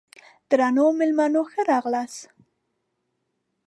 درنو مېلمنو ښه راغلاست!